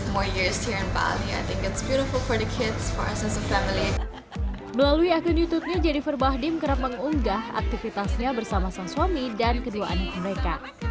melalui akun youtubenya jennifer bahdim kerap mengunggah aktivitasnya bersama sang suami dan kedua anak mereka